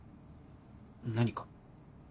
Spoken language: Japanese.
何か？